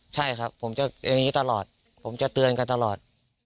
ใช่ครับผมจะอย่างนี้ตลอดผมจะเตือนกันตลอด